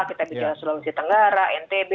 kita bicara sulawesi tenggara ntb